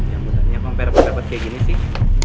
ya mutanya kok mperempat rempat kayak gini sih